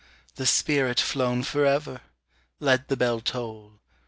the spirit flown forever! Let the bell toll!